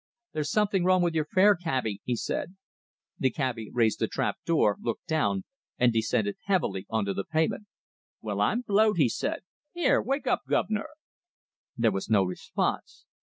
"There's something wrong with your fare, cabby," he said. The cabby raised the trap door, looked down, and descended heavily on to the pavement. "Well, I'm blowed!" he said. "Here, wake up, guv'nor!" There was no response.